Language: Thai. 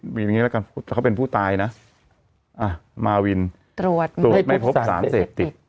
มีอย่างงี้แล้วกันเขาเป็นผู้ตายนะอ่ะมาวินตรวจไม่พบสารเสพติด